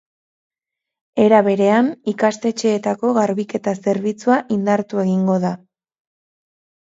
Era berean, ikastetxeetako garbiketa-zerbitzua indartu egingo da.